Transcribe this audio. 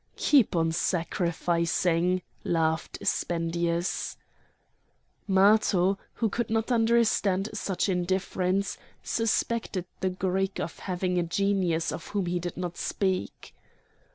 "Keep on sacrificing!" laughed Spendius. Matho, who could not understand such indifference, suspected the Greek of having a genius of whom he did not speak.